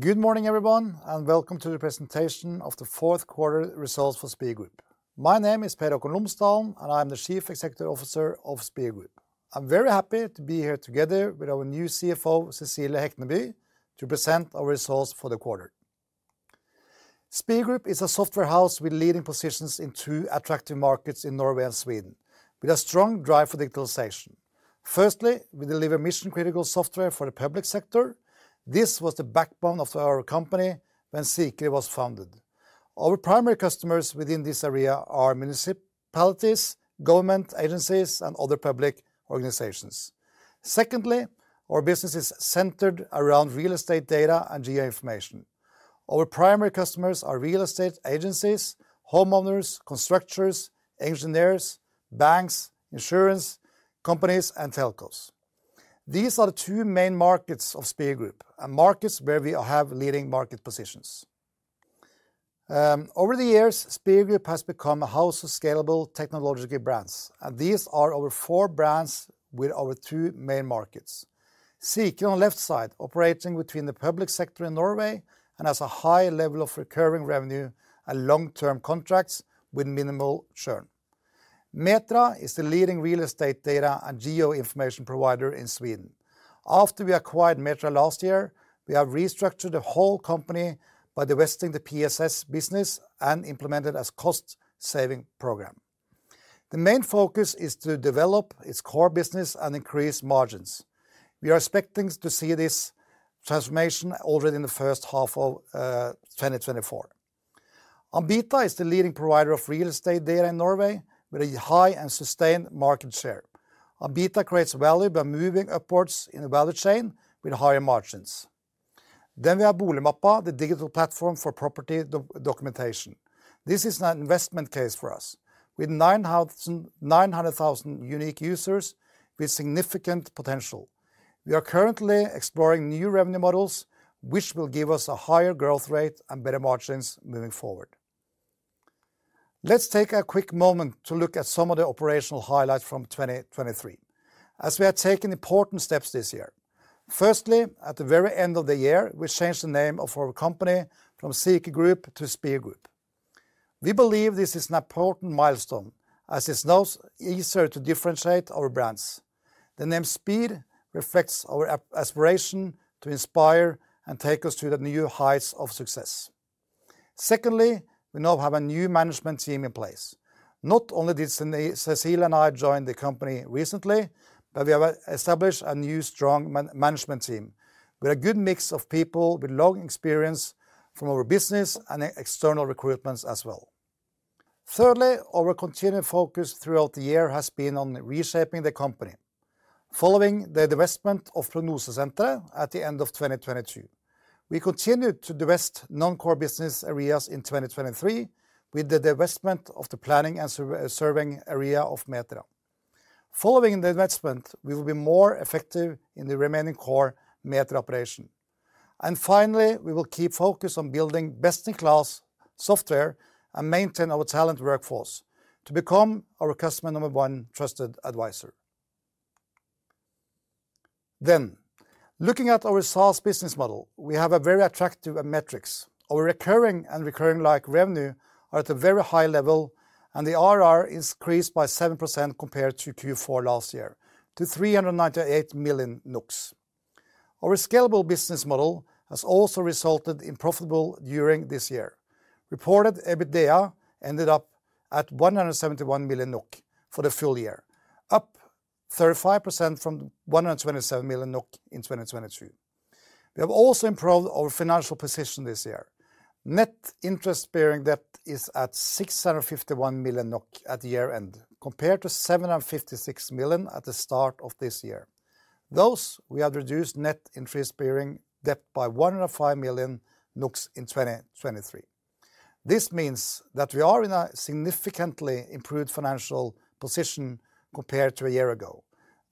Good morning everyone, and welcome to the presentation of the fourth quarter results for Spir Group. My name is Per Haakon Lomsdalen, and I am the Chief Executive Officer of Spir Group. I'm very happy to be here together with our new CFO, Cecilie Hekneby, to present our results for the quarter. Spir Group is a software house with leading positions in two attractive markets in Norway and Sweden, with a strong drive for digitalization. Firstly, we deliver mission-critical software for the public sector. This was the backbone of our company when Sikri was founded. Our primary customers within this area are municipalities, government agencies, and other public organizations. Secondly, our business is centered around real estate data and geoinformation. Our primary customers are real estate agencies, homeowners, constructors, engineers, banks, insurance companies, and telcos. These are the two main markets of Spir Group, and markets where we have leading market positions. Over the years, Spir Group has become a house of scalable technological brands, and these are over four brands with over two main markets. Sikri on the left side operates between the public sector in Norway and has a high level of recurring revenue and long-term contracts with minimal churn. Metria is the leading real estate data and geoinformation provider in Sweden. After we acquired Metria last year, we have restructured the whole company by divesting the PSS business and implemented a cost-saving program. The main focus is to develop its core business and increase margins. We are expecting to see this transformation already in the first half of 2024. Ambita is the leading provider of real estate data in Norway with a high and sustained market share. Ambita creates value by moving upwards in the value chain with higher margins. Then we have Boligmappa, the digital platform for property documentation. This is an divestment case for us. With 900,000 unique users, we have significant potential. We are currently exploring new revenue models, which will give us a higher growth rate and better margins moving forward. Let's take a quick moment to look at some of the operational highlights from 2023, as we have taken important steps this year. Firstly, at the very end of the year, we changed the name of our company from Sikri Group to Spir Group. We believe this is an important milestone, as it's now easier to differentiate our brands. The name Spir reflects our aspiration to inspire and take us to the new heights of success. Secondly, we now have a new management team in place. Not only did Cecilie and I join the company recently, but we have established a new strong management team with a good mix of people with long experience from our business and external recruitments aPrognosesenterets well. Thirdly, our continued focus throughout the year has been on reshaping the company. Following the divestment of Prognosesenteret at the end of 2022, we continued to divest non-core business areas in 2023 with the divestment of the planning and surveying area of Metria. Following the divestment, we will be more effective in the remaining core Metria operation. And finally, we will keep focus on building best-in-class software and maintain our talent workforce to become our customer number one trusted advisor. Then, looking at our SaaS business model, we have very attractive metrics. Our recurring and recurring-like revenue are at a very high level, and the ARR increased by 7% compared to Q4 last year, to 398 million. Our scalable business model has also resulted in profitability during this year. Reported EBITDA ended up at 171 million NOK for the full year, up 35% from 127 million NOK in 2022. We have also improved our financial position this year. Net Interest-Bearing Debt is at 651 million NOK at year-end, compared to 756 million at the start of this year. Thus, we have reduced Net Interest-Bearing Debt by 105 million in 2023. This means that we are in a significantly improved financial position compared to a year ago.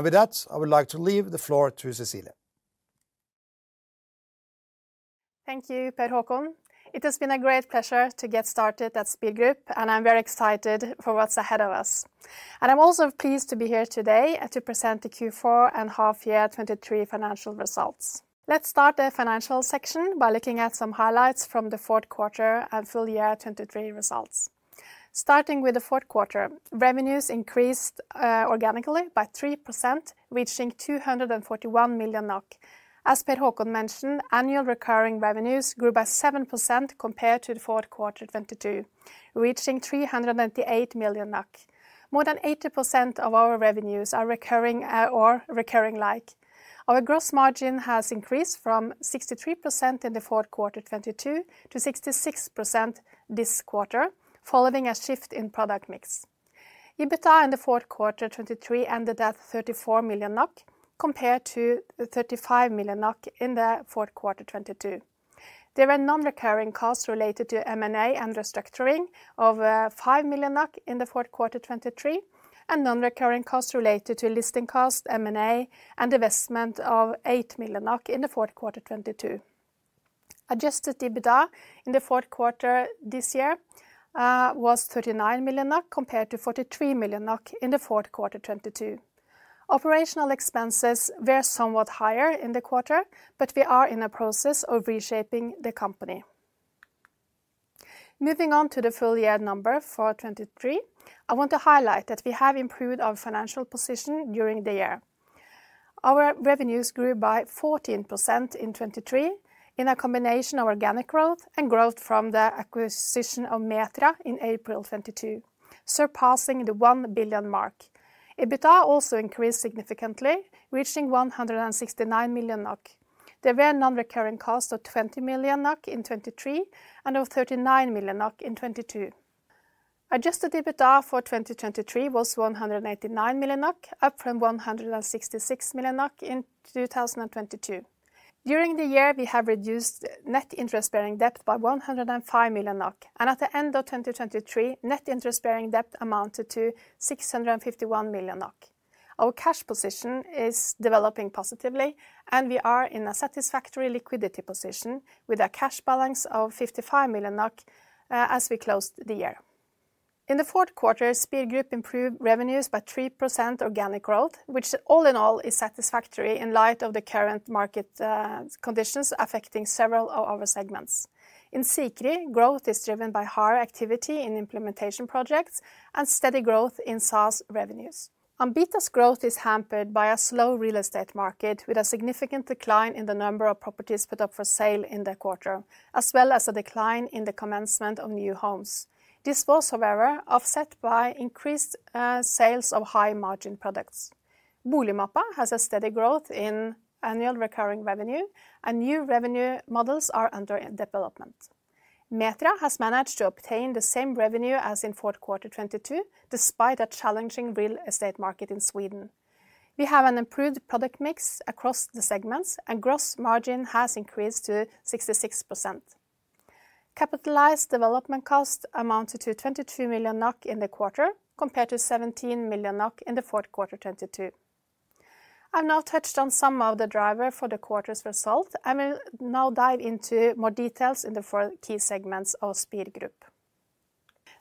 With that, I would like to leave the floor to Cecilie. Thank you, Per Haakon. It has been a great pleasure to get started at Spir Group, and I'm very excited for what's ahead of us. I'm also pleased to be here today to present the Q4 and half-year 2023 financial results. Let's start the financial section by looking at some highlights from the fourth quarter and full-year 2023 results. Starting with the fourth quarter, revenues increased organically by 3%, reaching 241 million NOK. As Per Haakon mentioned, annual recurring revenues grew by 7% compared to the fourth quarter 2022, reaching 398 million NOK. More than 80% of our revenues are recurring or recurring-like. Our gross margin has increased from 63% in the fourth quarter 2022 to 66% this quarter, following a shift in product mix. EBITDA in the fourth quarter 2023 ended at 34 million NOK, compared to 35 million NOK in the fourth quarter 2022. There were non-recurring costs related to M&A and restructuring of 5 million in the fourth quarter 2023, and non-recurring costs related to listing costs, M&A, and divestment of 8 million in the fourth quarter 2022. Adjusted EBITDA in the fourth quarter this year was 39 million NOK, compared to 43 million NOK in the fourth quarter 2022. Operational expenses were somewhat higher in the quarter, but we are in the process of reshaping the company. Moving on to the full-year number for 2023, I want to highlight that we have improved our financial position during the year. Our revenues grew by 14% in 2023 in a combination of organic growth and growth from the acquisition of Metria in April 2022, surpassing the 1 billion mark. EBITDA also increased significantly, reaching 169 million NOK. There were non-recurring costs of 20 million NOK in 2023 and of 39 million NOK in 2022. Adjusted EBITDA for 2023 was 189 million NOK, up from 166 million NOK in 2022. During the year, we have reduced net interest-bearing debt by 105 million NOK, and at the end of 2023, net interest-bearing debt amounted to 651 million NOK. Our cash position is developing positively, and we are in a satisfactory liquidity position with a cash balance of 55 million NOK as we closed the year. In the fourth quarter, Spir Group improved revenues by 3% organic growth, which all in all is satisfactory in light of the current market conditions affecting several of our segments. In Sikri, growth is driven by higher activity in implementation projects and steady growth in SaaS revenues. Ambita's growth is hampered by a slow real estate market with a significant decline in the number of properties put up for sale in the quarter, as well as a decline in the commencement of new homes. This was, however, offset by increased sales of high-margin products. Boligmappa has steady growth in annual recurring revenue, and new revenue models are under development. Metria has managed to obtain the same revenue as in fourth quarter 2022, despite a challenging real estate market in Sweden. We have an improved product mix across the segments, and gross margin has increased to 66%. Capitalized development costs amounted to 22 million NOK in the quarter, compared to 17 million NOK in the fourth quarter 2022. I've now touched on some of the drivers for the quarter's result, and will now dive into more details in the four key segments of Spir Group.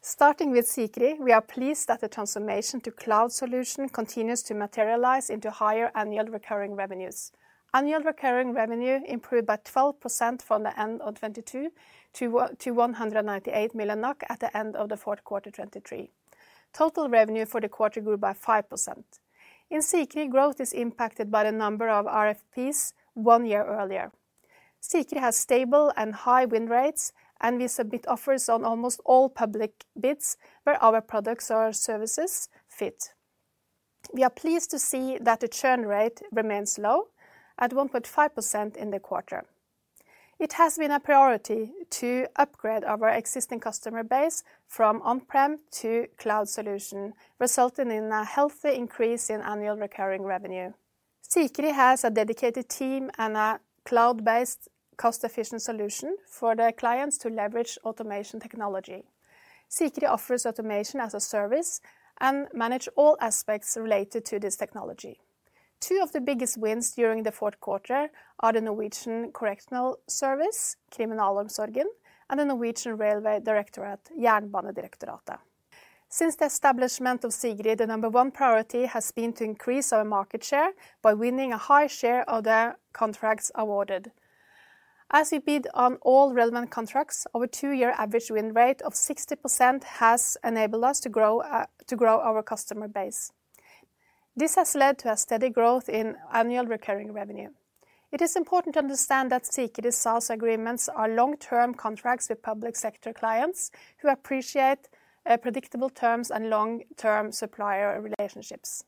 Starting with Sikri, we are pleased that the transformation to cloud solution continues to materialize into higher annual recurring revenues. Annual recurring revenue improved by 12% from the end of 2022 to 198 million NOK at the end of the fourth quarter 2023. Total revenue for the quarter grew by 5%. In Sikri, growth is impacted by the number of RFPs one year earlier. Sikri has stable and high win rates, and we submit offers on almost all public bids where our products or services fit. We are pleased to see that the churn rate remains low, at 1.5% in the quarter. It has been a priority to upgrade our existing customer base from on-prem to cloud solution, resulting in a healthy increase in annual recurring revenue. Sikri has a dedicated team and a cloud-based cost-efficient solution for the clients to leverage automation technology. Sikri offers automation as a service and manages all aspects related to this technology. Two of the biggest wins during the fourth quarter are the Norwegian Correctional Service, Kriminalomsorgen, and the Norwegian Railway Directorate, Jernbanedirektoratet. Since the establishment of Sikri, the number one priority has been to increase our market share by winning a high share of the contracts awarded. As we bid on all relevant contracts, our two-year average win rate of 60% has enabled us to grow our customer base. This has led to a steady growth in annual recurring revenue. It is important to understand that Sikri's SaaS agreements are long-term contracts with public sector clients who appreciate predictable terms and long-term supplier relationships.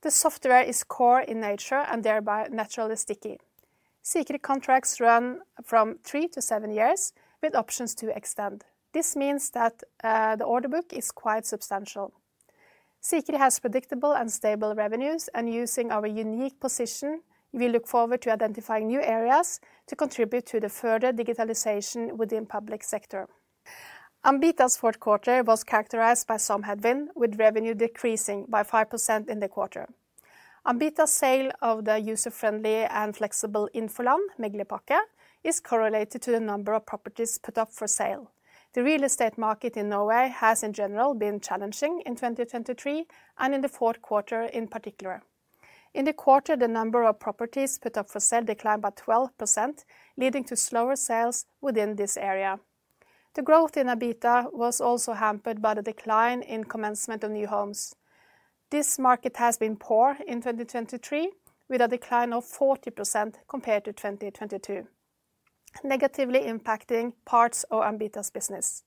The software is core in nature and thereby naturally sticky. Sikri contracts run from three to seven years, with options to extend. This means that the order book is quite substantial. Sikri has predictable and stable revenues, and using our unique position, we look forward to identifying new areas to contribute to further digitalization within the public sector. Ambita's fourth quarter was characterized by some headwinds, with revenue decreasing by 5% in the quarter. Ambita's sale of the user-friendly and flexible Infoland, Meglerpakke, is correlated to the number of properties put up for sale. The real estate market in Norway has, in general, been challenging in 2023 and in the fourth quarter in particular. In the quarter, the number of properties put up for sale declined by 12%, leading to slower sales within this area. The growth in Ambita was also hampered by the decline in commencement of new homes. This market has been poor in 2023, with a decline of 40% compared to 2022, negatively impacting parts of Ambita's business.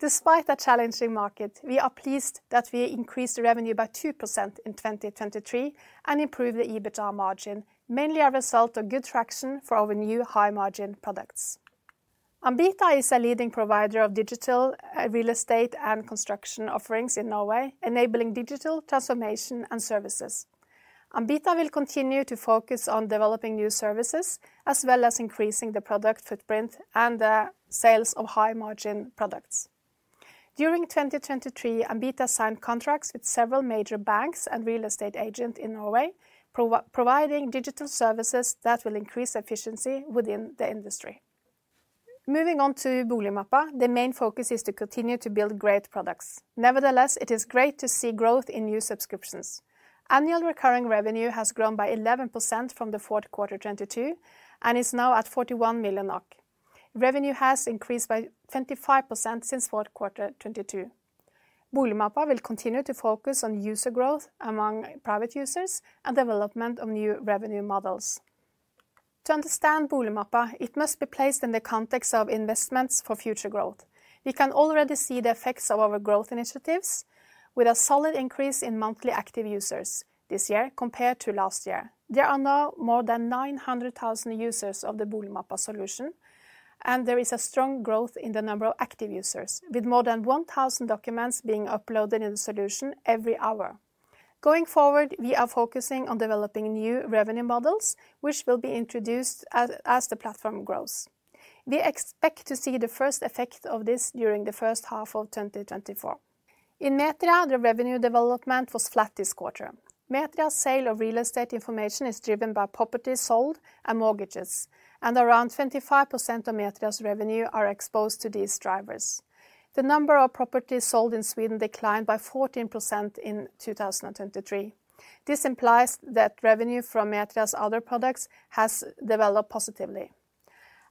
Despite a challenging market, we are pleased that we increased revenue by 2% in 2023 and improved the EBITDA margin, mainly a result of good traction for our new high-margin products. Ambita is a leading provider of digital real estate and construction offerings in Norway, enabling digital transformation and services. Ambita will continue to focus on developing new services, as well as increasing the product footprint and the sales of high-margin products. During 2023, Ambita signed contracts with several major banks and real estate agents in Norway, providing digital services that will increase efficiency within the industry. Moving on to Boligmappa, the main focus is to continue to build great products. Nevertheless, it is great to see growth in new subscriptions. Annual recurring revenue has grown by 11% from the fourth quarter 2022 and is now at 41 million NOK. Revenue has increased by 25% since fourth quarter 2022. Boligmappa will continue to focus on user growth among private users and development of new revenue models. To understand Boligmappa, it must be placed in the context of divestments for future growth. We can already see the effects of our growth initiatives, with a solid increase in monthly active users this year compared to last year. There are now more than 900,000 users of the Boligmappa solution, and there is strong growth in the number of active users, with more than 1,000 documents being uploaded in the solution every hour. Going forward, we are focusing on developing new revenue models, which will be introduced as the platform grows. We expect to see the first effect of this during the first half of 2024. In Metria, the revenue development was flat this quarter. Metria's sale of real estate information is driven by properties sold and mortgages, and around 25% of Metria's revenue is exposed to these drivers. The number of properties sold in Sweden declined by 14% in 2023. This implies that revenue from Metria's other products has developed positively.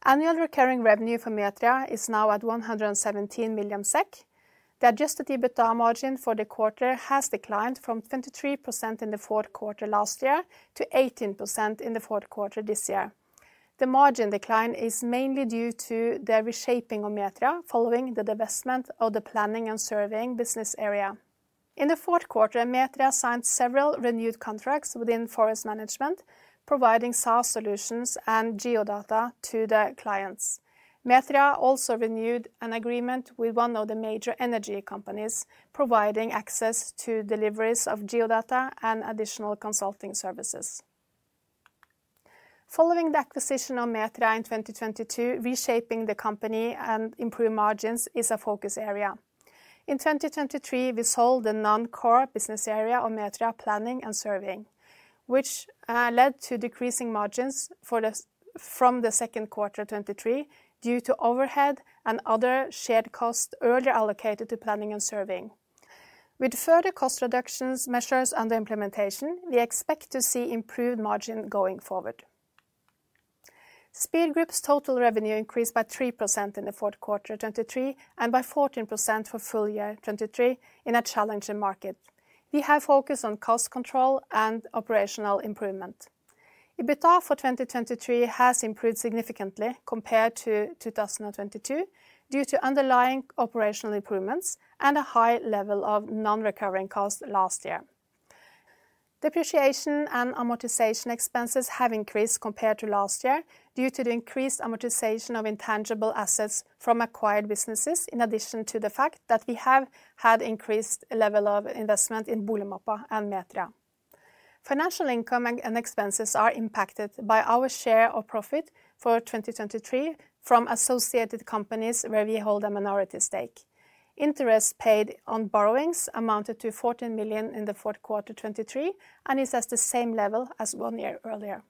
Annual recurring revenue for Metria is now at 117 million SEK. The adjusted EBITDA margin for the quarter has declined from 23% in the fourth quarter last year to 18% in the fourth quarter this year. The margin decline is mainly due to the reshaping of Metria following the divestment of the planning and surveying business area. In the fourth quarter, Metria signed several renewed contracts within forest management, providing SaaS solutions and geodata to the clients. Metria also renewed an agreement with one of the major energy companies, providing access to deliveries of geodata and additional consulting services. Following the acquisition of Metria in 2022, reshaping the company and improving margins is a focus area. In 2023, we sold the non-core business area of Metria planning and surveying, which led to decreasing margins from the second quarter 2023 due to overhead and other shared costs earlier allocated to planning and surveying. With further cost reduction measures and implementation, we expect to see improved margin going forward. Spir Group's total revenue increased by 3% in the fourth quarter 2023 and by 14% for full-year 2023 in a challenging market. We have focused on cost control and operational improvement. EBITDA for 2023 has improved significantly compared to 2022 due to underlying operational improvements and a high level of non-recurring costs last year. Depreciation and amortization expenses have increased compared to last year due to the increased amortization of intangible assets from acquired businesses, in addition to the fact that we have had an increased level of divestment in Boligmappa and Metria. Financial income and expenses are impacted by our share of profit for 2023 from associated companies where we hold a minority stake. Interest paid on borrowings amounted to 14 million in the fourth quarter 2023 and is at the same level as one year earlier.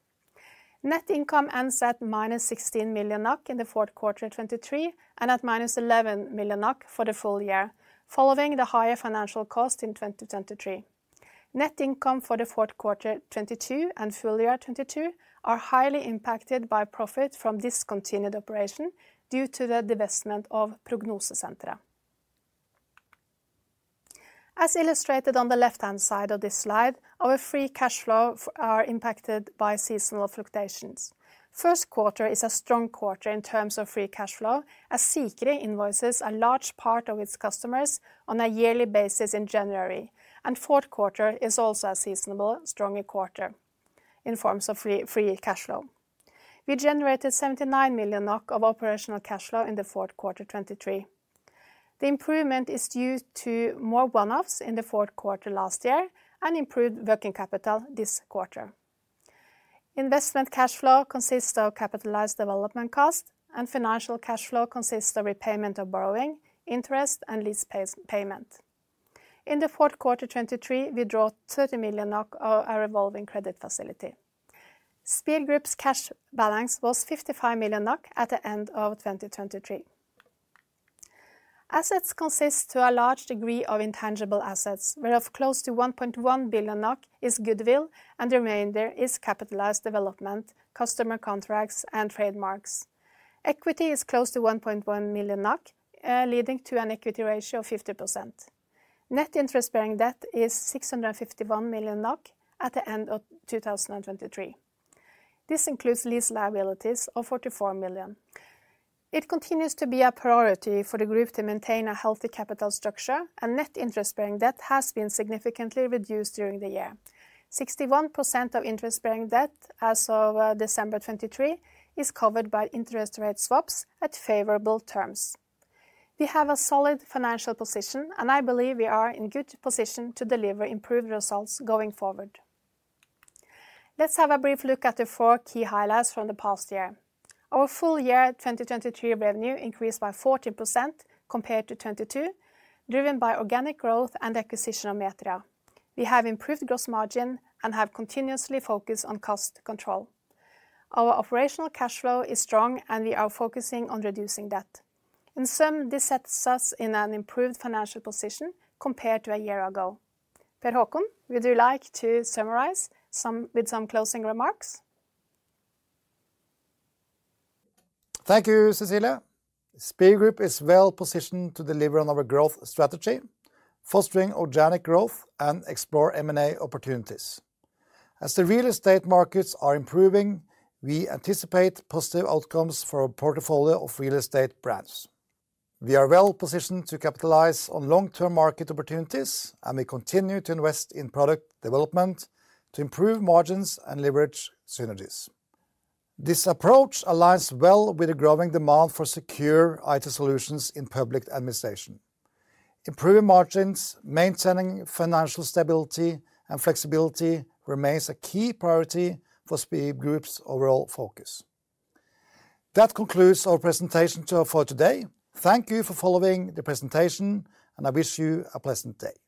Net income ends at -16 million NOK in the fourth quarter 2023 and at -11 million NOK for the full year, following the higher financial costs in 2023. Net income for the fourth quarter 2022 and full year 2022 are highly impacted by profit from discontinued operation due to the divestment of prognosis centre. As illustrated on the left-hand side of this slide, our free cash flow is impacted by seasonal fluctuations. First quarter is a strong quarter in terms of free cash flow, as Sikri invoices a large part of its customers on a yearly basis in January, and fourth quarter is also a seasonal, stronger quarter in terms of free cash flow. We generated 79 million NOK of operational cash flow in the fourth quarter 2023. The improvement is due to more one-offs in the fourth quarter last year and improved working capital this quarter. Divestment cash flow consists of capitalized development costs, and financial cash flow consists of repayment of borrowing, interest, and lease payment. In the fourth quarter 2023, we draw 30 million NOK of our revolving credit facility. Spir Group's cash balance was 55 million NOK at the end of 2023. Assets consist to a large degree of intangible assets, whereof close to 1.1 billion NOK is goodwill, and the remainder is capitalized development, customer contracts, and trademarks. Equity is close to 1.1 million, leading to an equity ratio of 50%. Net interest-bearing debt is 651 million at the end of 2023. This includes lease liabilities of 44 million. It continues to be a priority for the group to maintain a healthy capital structure, and net interest-bearing debt has been significantly reduced during the year. 61% of interest-bearing debt as of December 2023 is covered by interest rate swaps at favorable terms. We have a solid financial position, and I believe we are in a good position to deliver improved results going forward. Let's have a brief look at the four key highlights from the past year. Our full-year 2023 revenue increased by 14% compared to 2022, driven by organic growth and acquisition of Metria. We have improved gross margin and have continuously focused on cost control. Our operational cash flow is strong, and we are focusing on reducing debt. In sum, this sets us in an improved financial position compared to a year ago. Per Haakon, would you like to summarize with some closing remarks? Thank you, Cecilie. Spir Group is well positioned to deliver on our growth strategy, fostering organic growth, and explore M&A opportunities. As the real estate markets are improving, we anticipate positive outcomes for our portfolio of real estate brands. We are well positioned to capitalize on long-term market opportunities, and we continue to invest in product development to improve margins and leverage synergies. This approach aligns well with the growing demand for secure IT solutions in public administration. Improving margins, maintaining financial stability, and flexibility remains a key priority for Spir Group's overall focus. That concludes our presentation for today. Thank you for following the presentation, and I wish you a pleasant day.